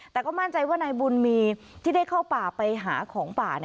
แต่ก็มั่นใจว่านายบุญมีที่ได้เข้าป่าไปหาของป่า